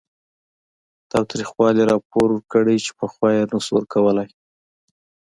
تاوتریخوالي راپور ورکړي چې پخوا یې نه شو ورکولی